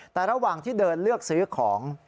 แต่ระหว่างที่เดินเลือกซื้อของ